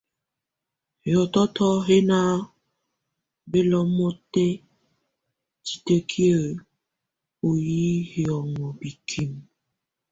Hiɔtɔtɔ hɛ na bɛlɔnŋɔtɛ titəkiə ɔ hi hiɔnŋɔ bikimə.